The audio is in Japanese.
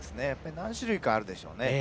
何種類かあるんでしょうね。